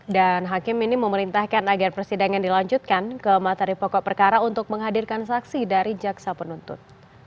dan hakim ini memerintahkan agar persidangan dilanjutkan ke materi pokok perkara untuk menghadirkan saksi dari jaksa penuntut